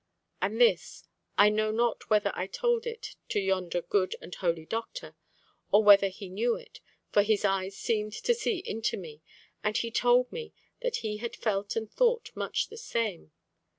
And this—I know not whether I told it to yonder good and holy doctor, or whether he knew it, for his eyes seemed to see into me, and he told me that he had felt and thought much the same.